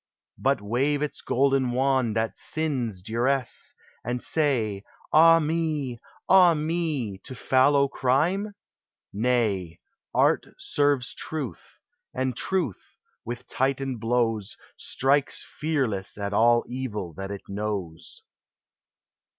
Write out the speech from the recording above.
But wave its golden wand at sin's dun 346 POEMS OF SENTIMENT. And say, " Ah me ! ah me !" to fallow crime ? Nay; Art serves Truth, and Truth, with Titan blows, Strikes fearless at all evil that it knows.